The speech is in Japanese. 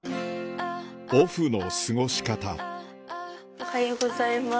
おはようございます。